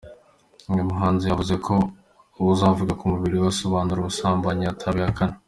Uyu muhanzi yavuze ko uwavuga ko umubiri we usobanura umusambanyi atabihakana.